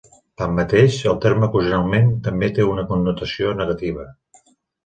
Tanmateix, el terme ocasionalment també té una connotació negativa.